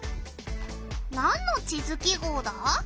なんの地図記号だ？